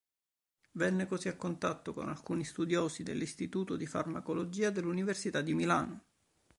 Venne così a contatto con alcuni studiosi dell'istituto di farmacologia dell'Università di Milano.